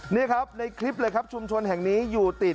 นี่ครับในคลิปเลยครับชุมชนแห่งนี้อยู่ติด